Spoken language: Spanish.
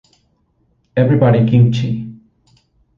Everybody, Kimchi!